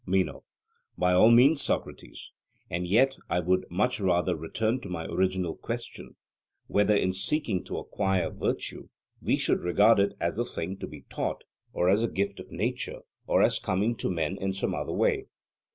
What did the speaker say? MENO: By all means, Socrates. And yet I would much rather return to my original question, Whether in seeking to acquire virtue we should regard it as a thing to be taught, or as a gift of nature, or as coming to men in some other way?